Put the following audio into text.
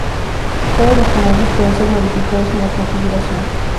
Todos los comandos pueden ser modificados en la configuración.